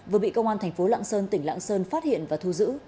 vừa bị công an thành phố lạng sơn tỉnh lạng sơn phát hiện và thu giữ